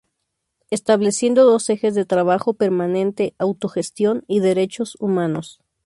Estableciendo dos ejes de trabajo permanente: autogestión y derechos humanos.